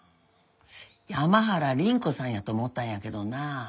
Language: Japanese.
山原倫子さんやと思ったんやけどな。